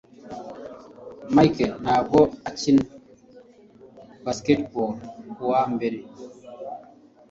Mike ntabwo akina basketball kuwa mbere.